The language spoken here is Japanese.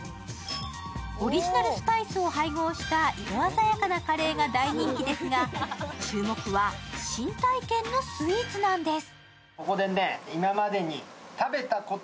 オリジナルスパイスを配合した色鮮やかなカレーが大人気ですが、注目は新体験のスイーツなんです。